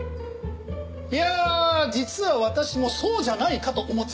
いや実は私もそうじゃないかと思ってたんです。